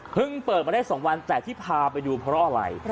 เปิดมาได้๒วันแต่ที่พาไปดูเพราะอะไร